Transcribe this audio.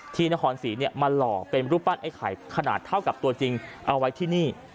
นครศรีมาหล่อเป็นรูปปั้นไอ้ไข่ขนาดเท่ากับตัวจริงเอาไว้ที่นี่